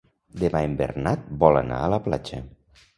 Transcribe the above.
Demà en Bernat vol anar a la platja.